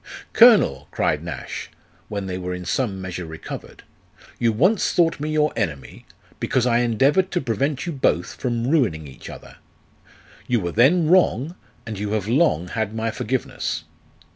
" Colonel," cried Nash, when they were in some measure recovered, " you once thought me your enemy, because I endeavoured to prevent you both from ruining each other ; you were then wrong, and you have long had my forgiveness.